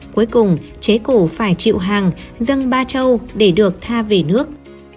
cuối cùng chế cổ phải chịu hàng dâng ba châu để được tha về nước